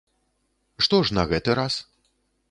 Што ж на гэты раз?